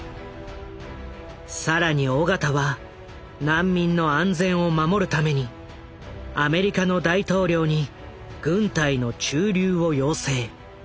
更に緒方は難民の安全を守るためにアメリカの大統領に軍隊の駐留を要請。